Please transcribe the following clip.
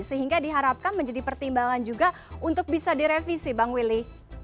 sehingga diharapkan menjadi pertimbangan juga untuk bisa direvisi bang willy